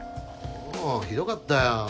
おうひどかったよ。